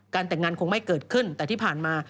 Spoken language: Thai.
แต่งงานคงไม่เกิดขึ้นแต่ที่ผ่านมา